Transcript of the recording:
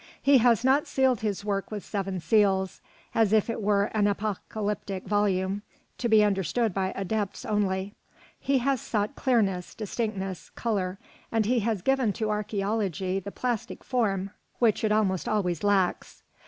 He has not sealed his work with seven seals, as if it were an apocalyptic volume, to be understood by adepts only; he has sought clearness, distinctness, colour, and he has given to archæology the plastic form which it almost always lacks.